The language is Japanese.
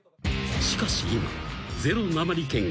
［しかし今］